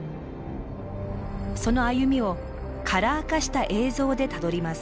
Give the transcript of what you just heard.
その歩みをカラー化した映像でたどります。